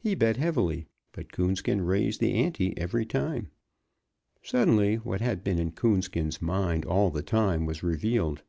He bet heavily, but Coonskin raised the ante every time. Suddenly what had been in Coonskin's mind all the time was revealed.